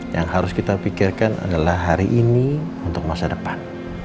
yang harus kita pikirkan adalah hari ini untuk masa depan